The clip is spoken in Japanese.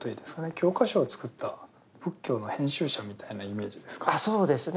教科書を作った仏教の編集者みたいなイメージですかね。